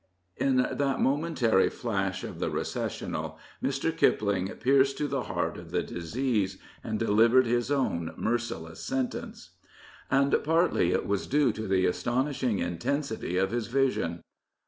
In that momentary flash of the " Recessional/' Mr. Kipling pierced to the heart of the disease, and delivered his own merciless sentence. And partly it was due to the astonishing intensity of his vision.